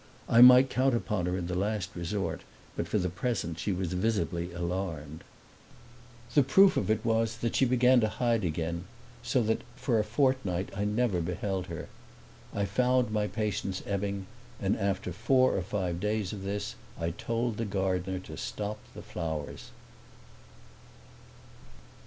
I might count upon her in the last resort, but for the present she was visibly alarmed. The proof of it was that she began to hide again, so that for a fortnight I never beheld her. I found my patience ebbing and after four or five days of this I told the gardener to stop the flowers.